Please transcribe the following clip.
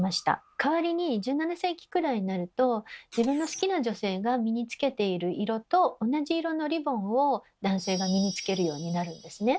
代わりに１７世紀くらいになると自分の好きな女性が身につけている色と同じ色のリボンを男性が身につけるようになるんですね。